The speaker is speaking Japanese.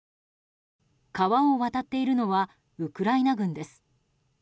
川を渡っているのはウクライナ軍です。